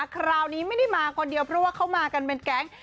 คราวนี้ไม่ได้มาคนเดียวเพราะว่าเขามากันเป็นแก๊ง